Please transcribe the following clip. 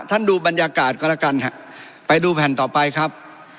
ดูบรรยากาศก็แล้วกันฮะไปดูแผ่นต่อไปครับ